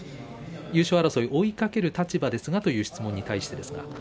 優勝争い、追いかける立場ですがという質問に対してです